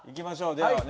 ではね